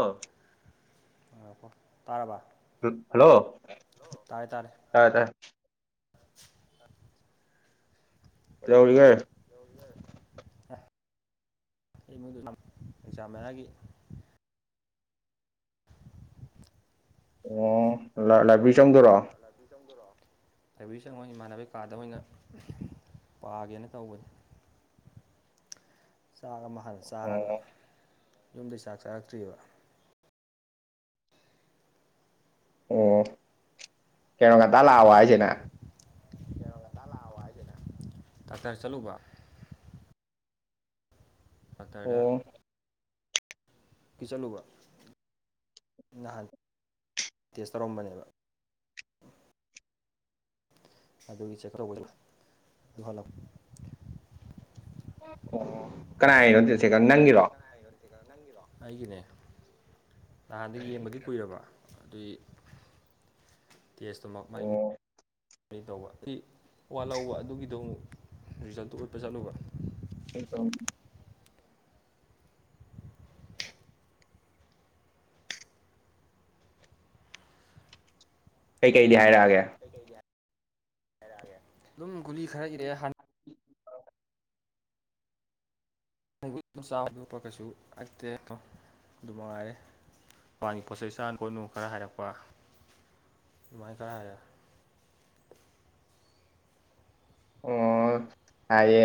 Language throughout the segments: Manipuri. ꯑꯥ ꯇꯔꯔꯕ ꯍꯜꯂꯣ ꯇꯥꯔꯦ ꯀ ꯇꯥꯏ [unintelligible] ꯌꯥꯎꯔꯤꯒ ꯑ ꯑꯩꯉꯣꯏꯗ ꯑꯦꯛꯖꯥꯝ ꯃꯦꯔꯥꯒꯤ ꯑꯣ ꯂꯥꯏꯕ꯭ꯔꯦꯔꯤ ꯆꯪꯗꯣꯏꯔꯣ ꯂꯕꯔꯤ ꯆꯪꯉꯣꯏ ꯏꯃꯥꯟꯅꯅꯕ ꯀꯥꯗ ꯑꯣꯏꯅ ꯄꯥꯒꯦꯅ ꯇꯧꯕꯅꯤ ꯆꯥꯛ ꯑꯃ ꯍꯥꯟꯅ ꯆꯥꯔꯒ ꯑꯣ ꯌꯨꯝꯗꯩ ꯆꯥꯛ ꯆꯥꯔꯛꯇ꯭ꯑꯔꯤꯕ ꯑꯣ ꯀꯩꯅꯣ ꯉꯥꯟꯇ ꯂꯥꯛꯑꯣ ꯍꯥꯏꯁꯤꯦꯅ ꯀꯩꯅꯣ ꯉꯟꯇꯥ ꯂꯥꯛꯑꯣ ꯍꯥꯏꯁꯦ ꯅꯪ ꯗꯥꯛꯇꯔ ꯆꯠꯂꯨꯕ ꯄꯀꯗ ꯑꯣ ꯐꯤ ꯆꯜꯨꯕ ꯅꯍꯥꯟ ꯇꯦꯁ ꯇꯧꯔꯝꯕꯅꯦꯕ ꯑꯗꯨꯗꯒꯤ ꯆꯠꯀ꯭ꯔꯧꯕꯅ ꯑꯗꯨ ꯑꯗꯨ ꯍꯜꯂꯣ ꯑꯣ ꯀꯅꯥꯅꯣ ꯆꯠꯁꯦꯀ ꯅꯪꯒꯤꯔꯣ ꯑꯩꯒꯤꯅꯦ ꯅꯍꯥꯟꯗ ꯌꯦꯡꯕꯒꯤ ꯀꯨꯏꯔꯕ ꯑꯗꯨꯏ ꯇꯦꯁꯇꯨꯃꯛ ꯃ ꯑꯣ ꯇꯧꯕ ꯑꯩ ꯋꯥ ꯂꯧꯕ ꯑꯗꯨꯒꯤꯗꯣ ꯑꯃꯨꯛ ꯔꯤꯖꯜꯇꯨ ꯎꯠꯄ ꯆꯠꯂꯨꯕ ꯍꯣ ꯀꯩꯀꯩꯗꯤ ꯍꯥꯏꯔꯛꯑꯒꯦ ꯑꯗꯨꯝ ꯒꯨꯂꯤ ꯈꯔ ꯏꯔꯦꯑꯦ ꯍꯥꯟꯅ ꯕꯨ ꯑꯗꯨꯝ ꯆꯥꯕ ꯌꯣꯛꯄ ꯀꯩꯁꯨ ꯍꯛꯇꯦ ꯑꯗꯨ ꯅꯨꯡꯉꯥꯏꯔꯦ ꯃꯒꯤ ꯄꯣꯠ ꯆꯩꯩ ꯆꯥꯅ ꯈꯣꯠꯅꯨ ꯈꯔ ꯍꯥꯏꯔꯛꯄ ꯃꯃꯥꯏ ꯀꯔꯦ ꯑꯣ ꯍꯥꯏꯦ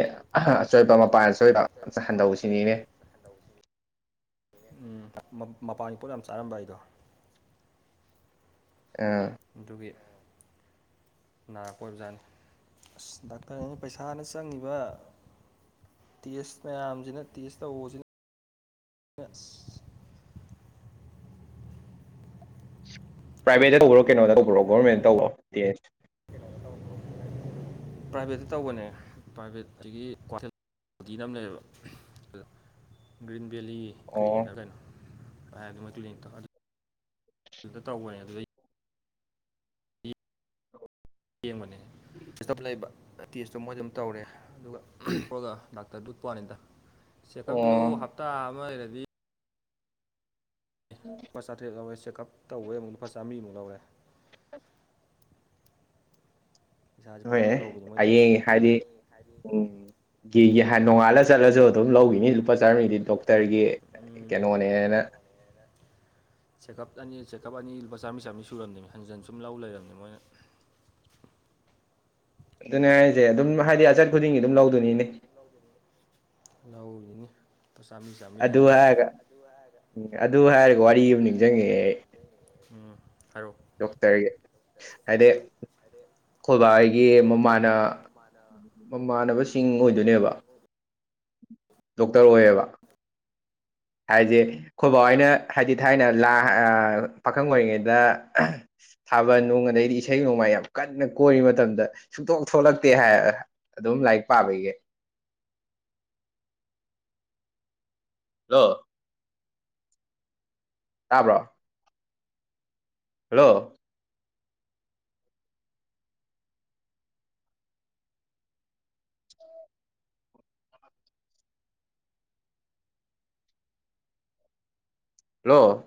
ꯑꯆꯣꯏꯄ ꯃꯄꯥꯟ ꯑꯁꯣꯏꯕ ꯍꯟꯗꯧꯕꯁꯤꯅꯤꯅꯦ ꯎꯝ ꯃꯄꯥꯟꯒꯤ ꯄꯣꯠ ꯌꯥꯝ ꯆꯥꯔꯝꯕ ꯑꯩꯗꯣ ꯑꯥ ꯗꯨꯒꯤ ꯅꯥꯔꯛꯄ ꯑꯣꯏꯕꯖꯥꯠꯅꯤ ꯑꯁ ꯗꯥꯛꯇꯔ ꯑꯩꯅ ꯄꯩꯁꯥꯅ ꯆꯪꯉꯤꯕ ꯇꯦꯁ ꯃꯌꯥꯝꯁꯤꯅ ꯇꯦꯁ ꯇꯧꯁꯤꯅ ꯑꯁ ꯆꯦꯛꯑꯞ ꯄ꯭ꯔꯥꯏꯚꯦꯠꯇ ꯇꯧꯕ꯭ꯔꯣ ꯀꯩꯅꯣꯗ ꯇꯧꯕ꯭ꯔꯣ ꯒꯣꯔꯃꯦꯟꯗ ꯇꯧꯕꯣ ꯄ꯭ꯔꯥꯏꯚꯦꯠꯇ ꯇꯧꯕꯅꯦ ꯄ꯭ꯔꯥꯏꯚꯦꯠ ꯑꯗꯒꯤ ꯑꯣꯗꯤꯗ ꯑꯃ ꯂꯩꯌꯦꯕ ꯑꯗꯣ ꯒ꯭ꯔꯤꯟ ꯚꯦꯂꯤ ꯑꯣ ꯀ꯭ꯂꯤꯅꯤꯛ ꯀꯩꯅꯣ ꯍꯥꯏ ꯑꯗꯨ ꯗꯤ ꯇꯧꯕꯅꯦ ꯑꯗꯨ ꯌꯦꯕꯥꯅꯦ ꯇꯞꯄꯥꯛ ꯂꯩꯕ ꯇꯦꯁꯇꯣ ꯃꯣꯏ ꯑꯗꯨꯝ ꯇꯧꯔꯦ ꯑꯗꯨꯒ ꯄꯨꯒ ꯗꯥꯛꯇꯔꯗꯨ ꯎꯠꯄꯅꯤꯗ ꯆꯦꯛꯑꯞꯇꯨꯁꯨ ꯑꯣ ꯍꯞꯇꯥ ꯑꯃ ꯂꯩꯔꯗꯤ ꯄꯆꯥꯥ ꯇꯔꯦꯠ ꯂꯧꯔꯦ ꯆꯦꯛꯀꯑꯞ ꯇꯧꯧꯕꯦ ꯑꯃꯨꯛꯇ ꯄꯆꯥ ꯃꯤꯃꯨꯛ ꯂꯧꯔꯦ ꯄꯩꯁꯥꯁꯦ ꯍꯣꯏ ꯄꯪꯂꯧꯗ ꯂꯧꯕꯤꯅꯤ ꯃꯣꯏ ꯇꯧꯔꯤꯁꯦ ꯍꯌꯦꯡ ꯍꯥꯏꯗꯤ ꯎꯝ ꯒꯤꯒꯤ ꯅꯣꯡꯉꯥꯜꯂ ꯆꯠꯂꯁꯨ ꯑꯗꯨꯝ ꯂꯧꯈꯤꯅꯤ ꯂꯨꯄꯥ ꯆꯥꯔꯝꯃꯩꯗꯤ ꯗꯣꯛꯇꯔꯒꯤ ꯀꯩꯅꯣꯅꯦꯅ ꯆꯦꯀꯞ ꯑꯅꯤ ꯆꯦꯛꯀꯞ ꯑꯅꯤ ꯂꯨꯄꯥ ꯆꯥꯝꯃ ꯆꯥꯝꯃꯔꯤ ꯁꯨꯔꯝꯗꯅꯤ ꯍꯟꯖꯤꯟ ꯁꯨꯝ ꯂꯧ ꯂꯩꯔꯝꯅꯤ ꯃꯣꯏꯅ ꯑꯗꯨꯅꯦ ꯑꯩꯁꯦ ꯑꯗꯨꯝ ꯍꯥꯏꯗꯤ ꯑꯆꯠ ꯈꯨꯗꯤꯡꯒꯤ ꯑꯗꯨꯝ ꯂꯧꯗꯣꯏꯅꯤꯅꯦ ꯂꯧꯔꯤꯅꯤ ꯂꯨꯄꯥ ꯆꯥꯝꯃꯔꯤ ꯆꯥꯝꯃꯔꯤ ꯑꯗꯨ ꯍꯥꯏꯁꯦ ꯍꯥꯏꯔꯒ ꯎꯝ ꯑꯗꯨ ꯍꯥꯏꯔꯒ ꯋꯥꯔꯤ ꯑꯃ ꯅꯤꯡꯁꯤꯡꯉꯦ ꯑꯩ ꯎꯝ ꯍꯥꯏꯔꯛꯑꯣ ꯗꯣꯛꯇꯔꯒꯤ ꯍꯥꯏꯗꯤ ꯈꯣꯏꯕꯥ ꯑꯩꯒꯤ ꯃꯃꯥꯟ ꯃꯃꯥꯟꯅꯕꯁꯤꯡ ꯑꯣꯏꯗꯣꯏꯅꯦꯕ ꯗꯣꯛꯇꯔ ꯑꯣꯏꯌꯦꯕ [unintelligible] ꯍꯥꯏꯁꯦ ꯑꯩꯈꯣꯏꯕꯥꯎ ꯑꯩꯅ ꯍꯥꯏꯗꯤ ꯊꯥꯏꯅ ꯂꯥ ꯄꯥꯈꯪ ꯑꯣꯏꯔꯤꯉꯩꯗ ꯊꯥꯕꯜ ꯅꯨꯡ ꯑꯗꯩꯗꯤ ꯏꯁꯩ ꯅꯣꯡꯃꯥꯏ ꯌꯥꯝ ꯀꯟꯅ ꯀꯣꯏꯔꯤ ꯃꯇꯝꯗ ꯁꯨꯛꯇꯣꯛ ꯊꯣꯛꯂꯛꯇꯦ ꯍꯥꯏ ꯑꯗꯨꯝ ꯂꯥꯏꯛꯄꯥꯒꯤ [unintelligible] ꯍꯦꯜꯂꯣ ꯇꯥꯕ꯭ꯔꯣ ꯍꯜꯂꯣ ꯍꯜꯂꯣ